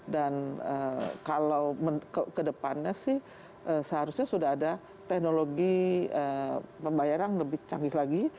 dan kalau ke depannya sih seharusnya sudah ada teknologi pembayaran yang lebih canggih lagi